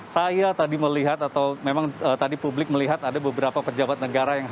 saya tadi melihat atau memang tadi publik melihat ada beberapa pejabat negara yang